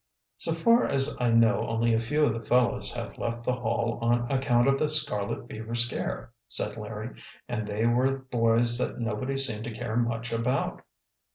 "So far as I know only a few of the fellows have left the Hall on account of the scarlet fever scare," said Larry. "And they were boys that nobody seemed to care much about."